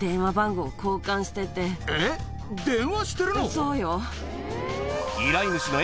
そうよ。